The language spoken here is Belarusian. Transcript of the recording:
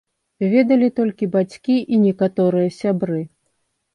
Ведалі толькі бацькі і некаторыя сябры.